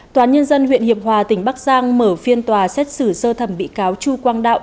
tòa án nhân dân huyện hiệp hòa tỉnh bắc giang mở phiên tòa xét xử sơ thẩm bị cáo chu quang đạo